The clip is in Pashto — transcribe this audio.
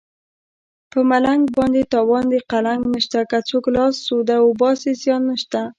په ملنګ باندې تاوان د قلنګ نشته که څوک لاس سوده وباسي زیان نشته